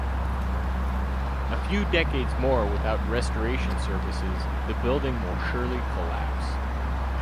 A few decades more without restoration services, the building will surely collapse.